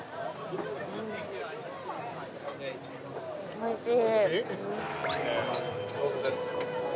おいしい？